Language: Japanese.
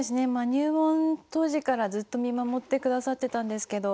入門当時からずっと見守ってくださってたんですけど